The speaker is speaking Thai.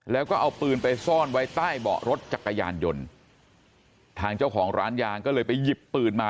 แล้วก็เอาปืนไปซ่อนไว้ใต้เบาะรถจักรยานยนต์ทางเจ้าของร้านยางก็เลยไปหยิบปืนมา